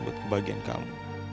buat kebahagiaan kamu